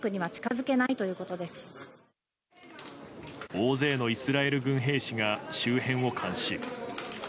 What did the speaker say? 大勢のイスラエル軍兵士が周辺を監視。